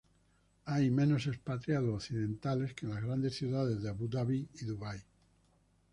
Hay menos expatriados occidentales que en las grandes ciudades de Abu Dabi y Dubái.